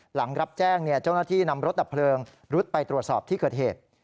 หลังรับแจ้งเจ้าหน้าที่นำรถดับเพลิงรุดไปตรวจสอบที่เกิดเหตุ